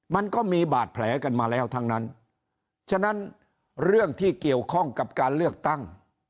มันก็มีบาดแผลกันมาแล้วทั้งนั้นฉะนั้นเรื่องที่เกี่ยวข้องกับการเลือกตั้ง